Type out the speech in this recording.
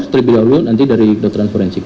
terlebih dahulu nanti dari kedokteran forensik